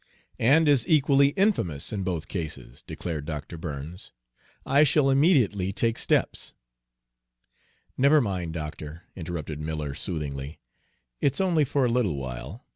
"And is equally infamous in both cases," declared Dr. Burns. "I shall immediately take steps" "Never mind, doctor," interrupted Miller, soothingly, "it's only for a little while.